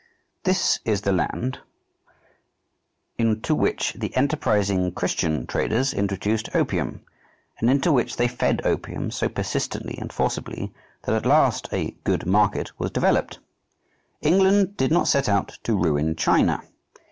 This is the land into which the enterprising Christian traders introduced opium, and into which they fed opium so persistently and forcibly that at last a "good market" was developed. England did not set out to ruin China.